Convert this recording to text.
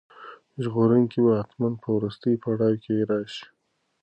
ژغورونکی به حتماً په وروستي پړاو کې راشي.